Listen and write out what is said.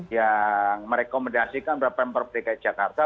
yang merekomendasikan pemperbdk jakarta